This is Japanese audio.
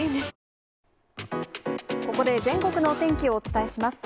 ここで全国のお天気をお伝えします。